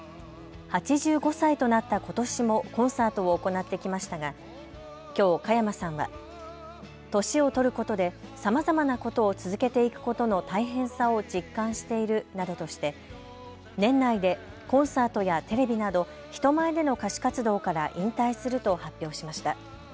８５歳となったことしもコンサートを行ってきましたがきょう加山さんは年を取ることでさまざまなことを続けていくことの大変さを実感しているなどとして年内でコンサートやテレビなど人前での歌手活動から引退すると発表しました。